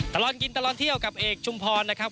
ตลอดกินตลอดเที่ยวกับเอกชุมพรนะครับ